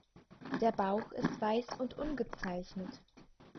Der Bauch ist weiß und ungezeichnet.